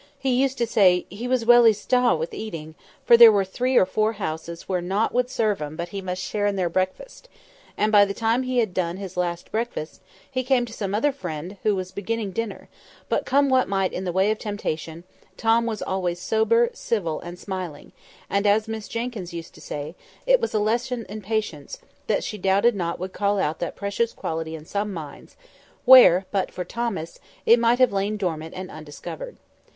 He used to say, "He was welly stawed wi' eating, for there were three or four houses where nowt would serve 'em but he must share in their breakfast;" and by the time he had done his last breakfast, he came to some other friend who was beginning dinner; but come what might in the way of temptation, Tom was always sober, civil, and smiling; and, as Miss Jenkyns used to say, it was a lesson in patience, that she doubted not would call out that precious quality in some minds, where, but for Thomas, it might have lain dormant and undiscovered.